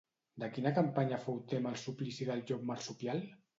De quina campanya fou tema el suplici del llop marsupial?